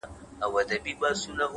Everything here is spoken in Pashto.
• هو رشتيا ـ